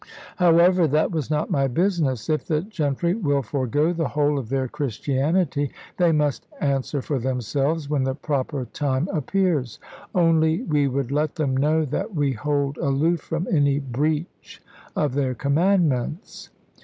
However, that was not my business; if the gentry will forego the whole of their Christianity, they must answer for themselves, when the proper time appears. Only we would let them know that we hold aloof from any breach of their commandments.